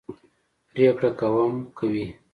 پرېکړه کوم کوي.